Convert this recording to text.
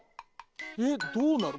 えっどうなる？